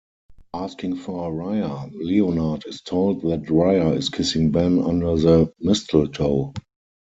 Asking for Ria, Leonard is told that Ria is kissing Ben under the mistletoe.